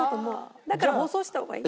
だから放送した方がいい。